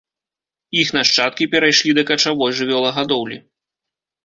Іх нашчадкі перайшлі да качавой жывёлагадоўлі.